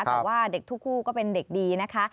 แต่ว่าเด็กทุกคู่ก็เป็นเด็กดีนะคะ